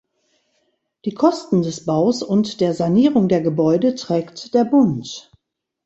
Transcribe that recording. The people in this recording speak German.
Die Kosten des Baus und der Sanierung der Gebäude trägt der Bund.